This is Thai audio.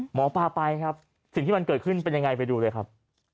หมอปลาไปครับสิ่งที่มันเกิดขึ้นเป็นยังไงไปดูเลยครับ